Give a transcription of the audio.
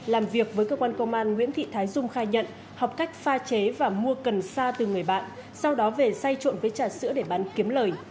làm việc với cơ quan công an nguyễn thị thái dung khai nhận học cách pha chế và mua cần sa từ người bạn sau đó về say trộn với trà sữa để bán kiếm lời